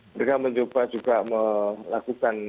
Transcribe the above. mereka mencoba juga melakukan